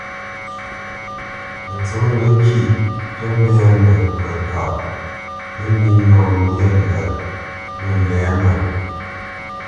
Mətsǒnə kîʼ tə mbɛ́nə kəkaʼ, mə́nī lɔ mbyâ lət nə̂ lɛ̌mə.